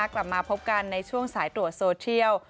กลับมาพบกันในช่วงสายตรวจโซเทียล